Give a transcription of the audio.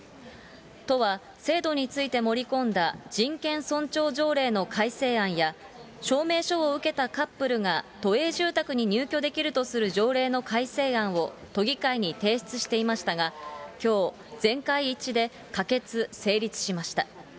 都は、制度について盛り込んだ人権尊重条例の改正案や、証明書を受けたカップルが都営住宅に入居できるとする条例の改正案を、都議会に提出していましたが、きょう、全会一致で可決・成立しました。